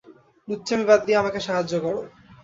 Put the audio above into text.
লুচ্চামি বাদ দিয়ে আমাকে সাহায্য করো।